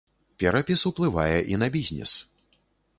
Перапіс уплывае і на бізнес.